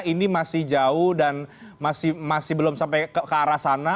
ini masih jauh dan masih belum sampai ke arah sana